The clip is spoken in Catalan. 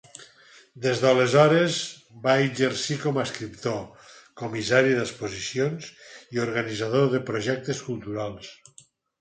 Des d'aleshores va exercir com a escriptor, comissari d'exposicions i organitzador de projectes culturals.